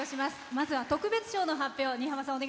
まずは特別賞の発表です。